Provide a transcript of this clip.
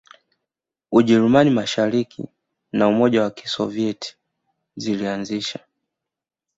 Ujerumani Mashariki na Umoja wa Kisovyeti zilianzisha